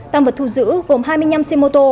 tăng vật thu giữ gồm hai mươi năm xe mô tô